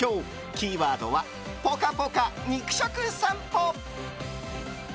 キーワードは「ぽかぽか」肉食さんぽ。